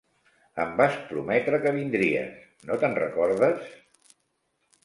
Em vas prometre que vindries: no te'n recordes?